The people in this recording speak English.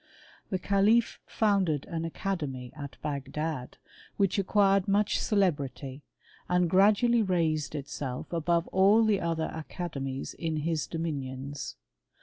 That calif founded an academy at Bagdad, which acquired much celebrity, and gradually raised itself above all the other academies in his dominions.